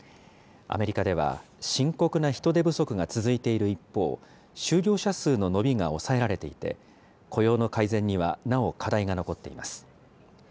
アメリカでは、深刻な人手不足が続いている一方、就業者数の伸びが抑えられていて、雇用の改善にはなお課題が残っています。